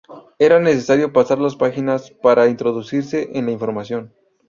Era necesario pasar las páginas para introducirse en la información.